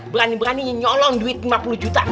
berani berani nyolong duit lima puluh juta